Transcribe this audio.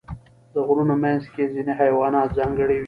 د غرونو منځ کې ځینې حیوانات ځانګړي وي.